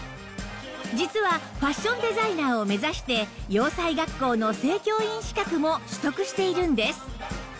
実はファッションデザイナーを目指して洋裁学校の正教員資格も取得しているんです